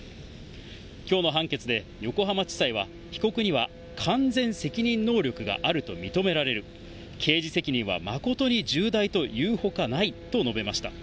きょうの判決で、横浜地裁は被告には完全責任能力があると認められる、刑事責任は誠に重大と言うほかないと述べました。